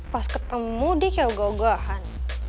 pas ketemu dia kayak ogoh ogohan